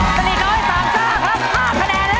สถิตย์น้อยสามซ่าครับห้าคะแนนแรก